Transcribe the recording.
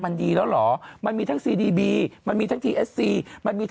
เน็บทำไม